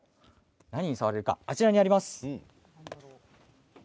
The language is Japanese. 何に触れるか、あちらにあります。